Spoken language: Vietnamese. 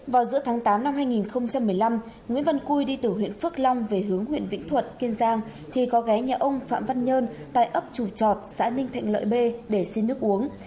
vào giữa tháng tám năm hai nghìn một mươi năm nguyễn văn cui đi từ huyện phước long về hướng huyện vĩnh thuận kiên giang thì có ghé nhà ông phạm văn nhơn tại ấp trù trọt xã ninh thạnh lợi b để xin nước uống